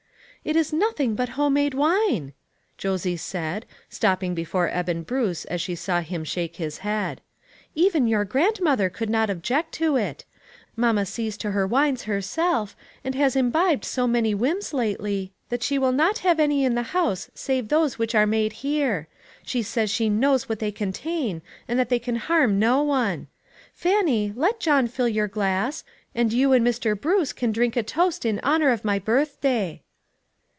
" It is nothing but home made wine," Josie said, stopping before Eben Bruce as she saw l.im shake his head; "even your grandmother could not object to it. Mamma sees to her wines herself, and has imbibed THINGS THAT FITTED. 265 so many whims lately, that she will not have any in the house save those which are made here. She says she knows what they contain, and that they can harm no one. Fannie, let John fill your glass, and you and Mr. Bruce can drink a toast in honor of my birthday."